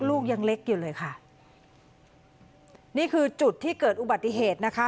ลูกยังเล็กอยู่เลยค่ะนี่คือจุดที่เกิดอุบัติเหตุนะคะ